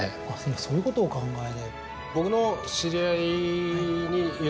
そういうことをお考えで。